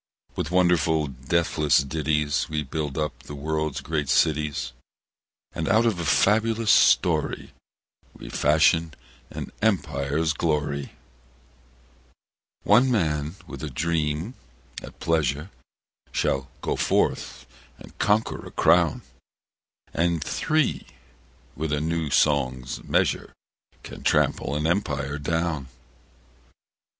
With wonderful deathless ditties We build up the worl'd great cities, And out of a fabulous story We fashion an empire's glory: One man with a dream, at pleasure, Shall go forth and conquer a crown; And three with a new song's measure Can trample an empire down.